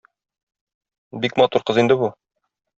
Бик матур кыз инде бу.